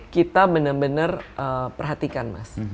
kita benar benar perhatikan mas